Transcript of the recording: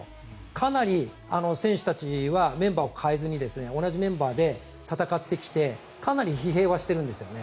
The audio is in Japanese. かなり選手たちはメンバーを変えずに同じメンバーで戦ってきてかなり疲弊はしているんですね。